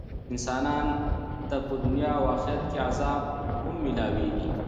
انسان ته په دنيا او آخرت کي عذاب هم ميلاويږي .